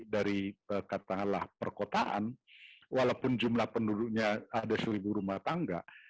dari katakanlah perkotaan walaupun jumlah penduduknya ada seribu rumah tangga